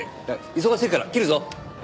忙しいから切るぞ。